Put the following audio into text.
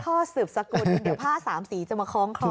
พ่อสืบสกุลเดี๋ยวผ้าสามสีจะมาคล้องคอ